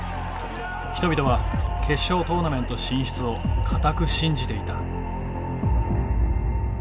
人々は決勝トーナメント進出を固く信じていた。